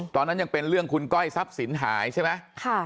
ตอนนั้นยังเป็นเรื่องคุณก้อยทรัพย์สินหายใช่ไหม